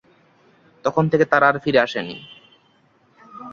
তখন থেকে তারা আর ফিরে আসেনি।